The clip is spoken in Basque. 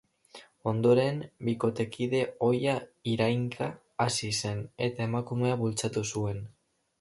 Ondoren, bikotekide ohia irainka hasi zen eta emakumea bultzatu zuen.